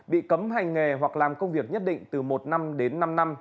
bị cấm hành nghề hoặc làm công việc nhất định từ một năm đến năm năm